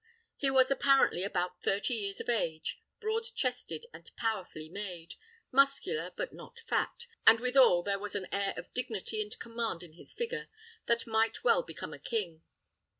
He was apparently about thirty years of age, broad chested and powerfully made, muscular, but not fat, and withal there was an air of dignity and command in his figure that might well become a king.